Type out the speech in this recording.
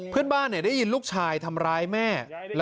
พ่อไปฟังหน่อยครับ